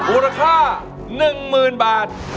อุตค่า๑๐๐๐๐บาท